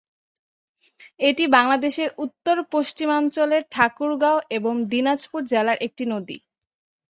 এটি বাংলাদেশের উত্তর-পশ্চিমাঞ্চলের ঠাকুরগাঁও এবং দিনাজপুর জেলার একটি নদী।